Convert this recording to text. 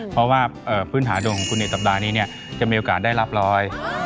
เพราะว่าพื้นฐานดวงของคุณในสัปดาห์นี้เนี่ยจะมีโอกาสได้รับรอย